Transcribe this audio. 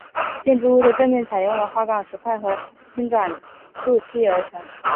建筑物的正面采用了花岗石块和青砖筑砌而成。